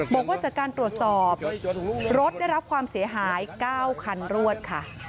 บอกว่าจากการตรวจสอบรถได้รับความเสียหาย๙คันรวดค่ะ